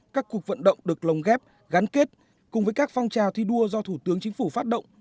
các cuộc vận động được lồng ghép gắn kết cùng với các phong trào thi đua do thủ tướng chính phủ phát động